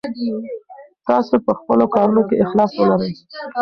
تاسو په خپلو کارونو کې اخلاص ولرئ.